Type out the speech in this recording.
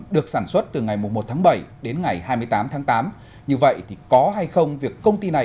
được sản xuất từ ngày một tháng bảy đến ngày hai mươi tám tháng tám như vậy thì có hay không việc công ty này